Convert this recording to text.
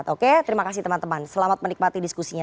oke terima kasih teman teman selamat menikmati diskusinya